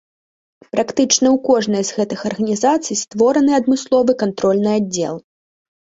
Практычна ў кожнай з гэтых арганізацый створаны адмысловы кантрольны аддзел.